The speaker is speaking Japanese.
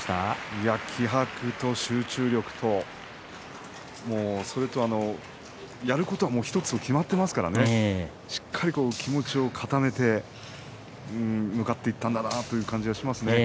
いや気迫と集中力とやることは１つ決まっていますからねしっかりと気持ちを固めて向かっていったんだなという感じがしますね。